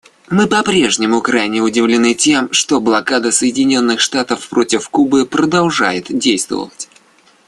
Мы по-прежнему крайне удивлены тем, что блокада Соединенных Штатов против Кубы продолжает действовать.